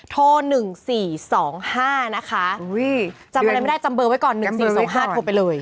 โทร๑๔๒๕นะคะจำอะไรไม่ได้จำเบอร์ไว้ก่อน๑๔๒๕โทรไปเลย